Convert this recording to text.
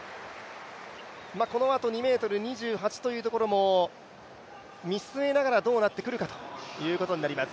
このあと２ｍ２８というところも見据えながらどうなってくるかというところです。